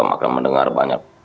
akan mendengar banyak